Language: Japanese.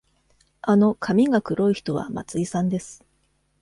あの髪が黒い人は松井さんです。